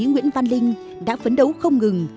nguyễn văn linh đã phấn đấu không ngừng